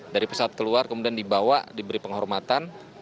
dari pesawat keluar kemudian dibawa diberi penghormatan